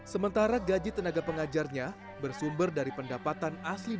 sementara gaji tenaga pengajarnya bersumber dari pendapatan asli